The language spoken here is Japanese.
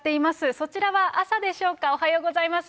そちらは朝でしょうか、おはようございます。